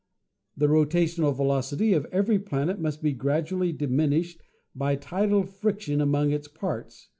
The ro tational velocity of every planet must be gradually diminished by tidal friction among its parts.